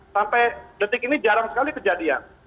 sampai detik ini jarang sekali kejadian